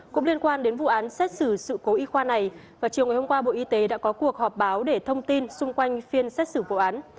cũng liên quan đến vụ án xét xử sự cố y khoa này vào chiều ngày hôm qua bộ y tế đã có cuộc họp báo để thông tin xung quanh phiên xét xử vụ án